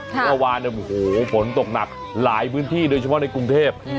เมื่อวานฝนตกหนักหลายพื้นที่โดยเฉพาะในกรุงเทพ